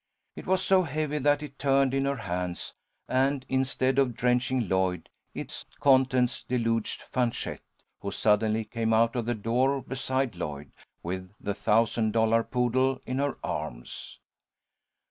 It was so heavy that it turned in her hands, and instead of drenching Lloyd, its contents deluged Fanchette, who suddenly came out of the door beside Lloyd, with the thousand dollar poodle in her arms.